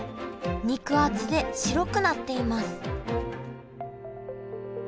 肉厚で白くなっています